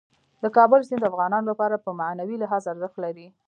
د کابل سیند د افغانانو لپاره په معنوي لحاظ ارزښت لري.